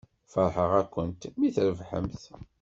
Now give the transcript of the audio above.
Feṛḥeɣ-akent mi trebḥemt.